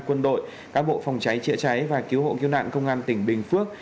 quân đội cán bộ phòng cháy chữa cháy và cứu hộ cứu nạn công an tỉnh bình phước